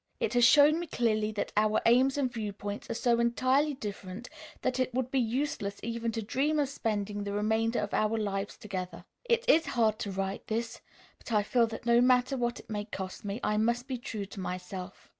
It has shown me clearly that our aims and viewpoints are so entirely different that it would be useless even to dream of spending the remainder of our lives together. It is hard to write this, but I feel that no matter what it may cost me I must be true to myself.